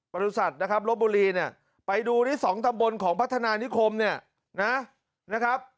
ประสุทธิ์ศัตริย์นะครับรบบุรีเนี่ยไปดูที่สองธรรมบลของพัฒนานิคมเนี่ยนะครับ